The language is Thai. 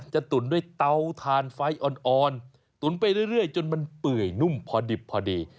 ตุ๋นด้วยเตาทานไฟอ่อนตุ๋นไปเรื่อยจนมันเปื่อยนุ่มพอดิบพอดี